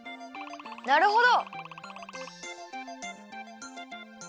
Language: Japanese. なるほど！